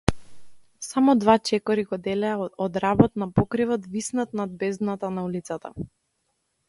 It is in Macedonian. Само два чекори го делеа од работ на покривот виснат над бездната на улицата.